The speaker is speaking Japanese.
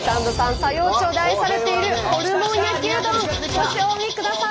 佐用町で愛されているホルモン焼きうどんご賞味ください。